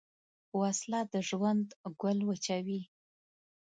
وسله د ژوند ګل وچوي